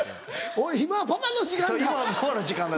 そう「今パパの時間だ！」。